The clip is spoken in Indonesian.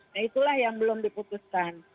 nah itulah yang belum diputuskan